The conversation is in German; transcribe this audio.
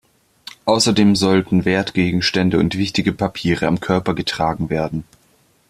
Außerdem sollten Wertgegenstände und wichtige Papiere am Körper getragen werden.